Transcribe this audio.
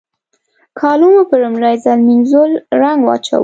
کالو مې په لومړي ځل مينځول رنګ واچاوو.